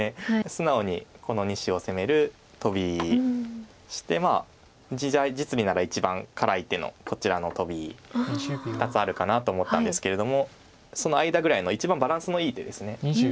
素直にこの２子を攻めるトビそして実利なら一番辛い手のこちらのトビ２つあるかなと思ったんですけれどもその間ぐらいの一番バランスのいい手です。